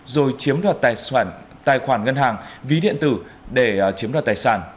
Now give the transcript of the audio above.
rồi chiếm đoạt tài khoản ngân hàng ví điện tử để chiếm đoạt tài sản